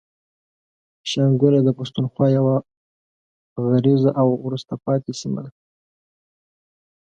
شانګله د پښتونخوا يوه غريزه او وروسته پاتې سيمه ده.